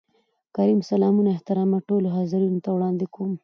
کريم : سلامونه احترامات ټولو حاضرينو ته وړاندې کوم.